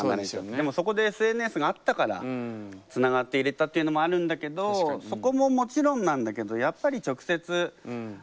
でもそこでＳＮＳがあったからつながっていれたっていうのもあるんだけどそこももちろんなんだけどやっぱり直接会いたいかな。